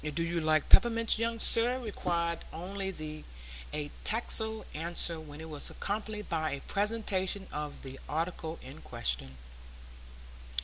"Do you like peppermints, young sir?" required only a tacit answer when it was accompanied by a presentation of the article in question.